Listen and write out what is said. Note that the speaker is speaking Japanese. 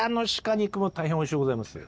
肉も大変おいしゅうございますよ。